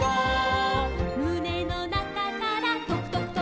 「むねのなかからとくとくとく」